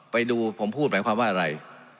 ไปดูผมพูดหมายความว่าอะไร